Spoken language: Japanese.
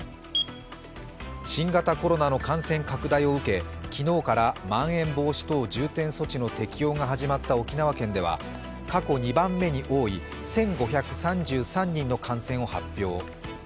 新型コロナの感染拡大を受け昨日からまん延防止等重点措置の適用が始まった沖縄県では、過去２番目に多い１５３３人の感染を発表。